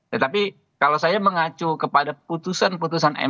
tetapi kalau saya mengacu kepada putusan putusan mk